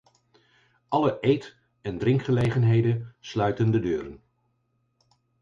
Alle eet- en drinkgelegenheden sluiten de deuren.